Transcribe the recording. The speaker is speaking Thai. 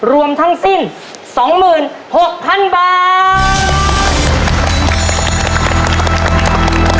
รวมทั้งสิ้นสองหมื่นหกพันบาท